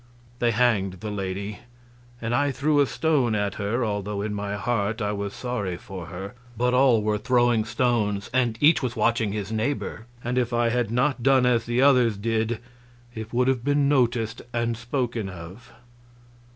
They hanged the lady, and I threw a stone at her, although in my heart I was sorry for her; but all were throwing stones and each was watching his neighbor, and if I had not done as the others did it would have been noticed and spoken of.